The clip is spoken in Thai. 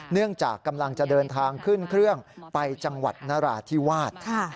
เนื่องจากกำลังจะเดินทางขึ้นเครื่องไปจังหวัดนราธิวาส